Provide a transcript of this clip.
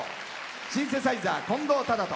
シンセサイザー、近藤斉人。